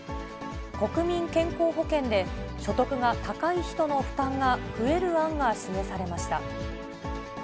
国民健康保険で、所得が高い人の負担が増える案が示されました。